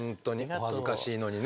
お恥ずかしいのにね。